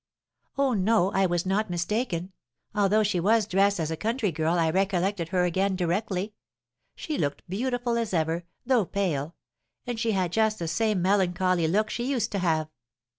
"Oh, no, I was not mistaken; although she was dressed as a country girl I recollected her again directly. She looked beautiful as ever, though pale; and she had just the same melancholy look she used to have."